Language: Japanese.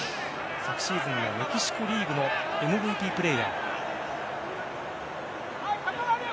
昨シーズンのメキシコリーグのＭＶＰプレーヤー。